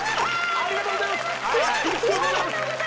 ありがとうございます